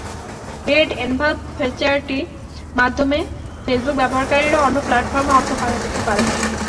Red envelope ফিচারটির মাধ্যমে Facebook ব্যবহারকারীরা অন্য প্ল্যাটফর্মে অর্থ পাঠাতে পারবেন।